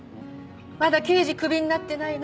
まだ刑事クビになってないの？